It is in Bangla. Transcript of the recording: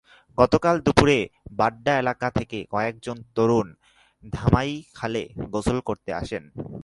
গতকাল দুপুরে বাড্ডা এলাকা থেকে কয়েকজন তরুণ ধামাইখালে গোসল করতে আসেন।